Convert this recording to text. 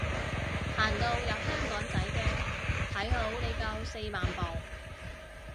行到入香港仔嘅，睇好你夠四萬步